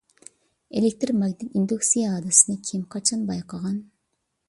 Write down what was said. ئېلېكتىر ماگنىت ئىندۇكسىيە ھادىسىسىنى كىم، قاچان بايقىغان؟